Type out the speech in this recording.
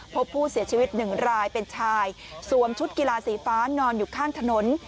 พบผู้เสียชีวิตหนึ่งรายเป็นชายสวมชุดกีฬาสีฟ้านอนอยู่ข้างถนน